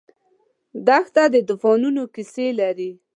دښته د توفانونو کیسې لري.